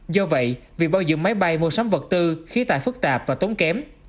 do vậy việc bao dựng máy bay mua sắm vật tư khí tài phức tạp và tốn kém